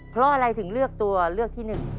เพราะอะไรถึงเลือกตัวเลือกที่๑